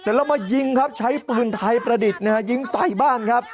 ใส่แล้วมายิงครับใช้ปืนไทยประดิษฐ์ยิงใส่บ้าครับ